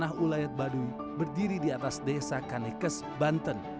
tanah ulayak baduy berdiri di atas desa kanekes banten